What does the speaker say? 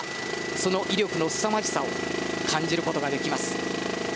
その威力のすさまじさを感じることができます。